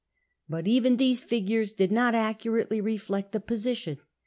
But even these figures did not accurately reflect the position.